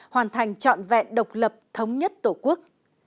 hoàn thành trọn vẹn độc lập thống nhất tổ quốc